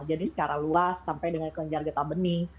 jadi secara luas sampai dengan kelenjar getah bening